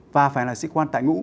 và phải là sĩ quan tại ngũ